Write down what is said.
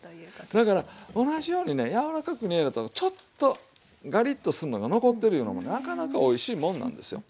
だから同じようにね柔らかく煮えるのとちょっとガリッとするのが残ってるいうのもなかなかおいしいもんなんですよ。